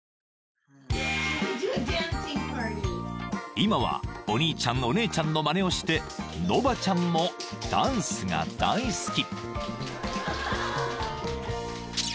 ［今はお兄ちゃんお姉ちゃんのまねをしてノヴァちゃんもダンスが大好き］